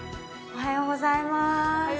おはようございます